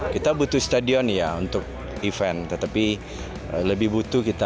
kita butuh stadion ya untuk event tetapi lebih butuh kita